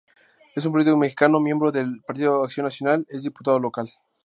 Es un político mexicano, miembro del Partido Acción Nacional, es Diputado Local.